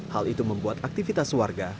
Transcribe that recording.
hal itu membuat aktivitas warga